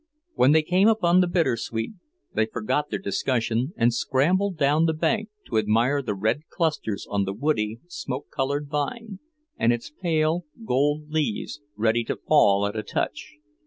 When they came upon the bittersweet, they forgot their discussion and scrambled down the bank to admire the red clusters on the woody, smoke coloured vine, and its pale gold leaves, ready to fall at a touch.